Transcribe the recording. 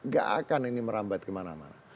gak akan ini merambat kemana mana